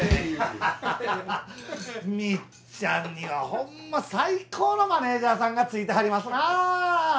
ミッちゃんにはほんま最高のマネージャーさんがついてはりますなあ。